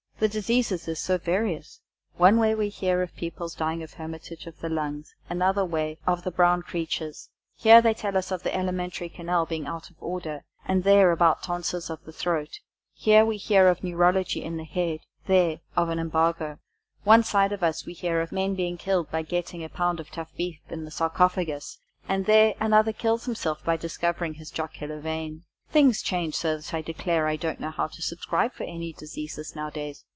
The diseases is so various! One way we hear of people's dying of hermitage of the lungs; another way, of the brown creatures; here they tell us of the elementary canal being out of order, and there about tonsors of the throat; here we hear of neurology in the head, there, of an embargo; one side of us we hear of men being killed by getting a pound of tough beef in the sarcofagus, and there another kills himself by discovering his jocular vein. Things change so that I declare I don't know how to subscribe for any diseases nowadays.